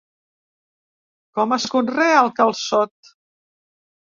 Com es conrea el calçot?